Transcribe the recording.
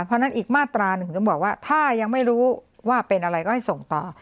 เพราะฉะนั้นอีกมาตราหนึ่งถึงจะบอกว่าถ้ายังไม่รู้ว่าเป็นอะไรก็ให้ส่งต่อ